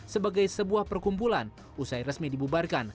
sebagai sebuah perkumpulan usai resmi dibubarkan